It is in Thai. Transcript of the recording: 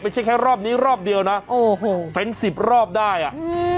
ไม่ใช่แค่รอบนี้รอบเดียวนะโอ้โหเป็นสิบรอบได้อ่ะอืม